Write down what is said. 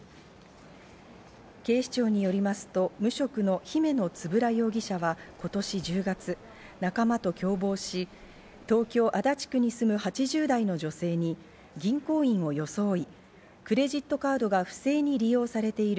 警視庁によりますと、無職の姫野円容疑者は今年１０月、仲間と共謀し、東京・足立区に住む８０代の女性に、銀行員を装い、クレジットカードが不正に利用されている。